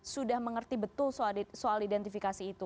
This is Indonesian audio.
sudah mengerti betul soal identifikasi itu